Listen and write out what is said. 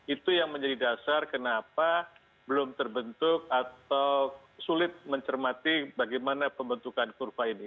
itu yang menjadi dasar kenapa belum terbentuk atau sulit mencermati bagaimana pembentukan kurva ini